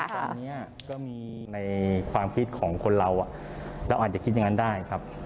ตอนนี้ก็มีในความคิดของคนเราเราอาจจะคิดอย่างนั้นได้ครับ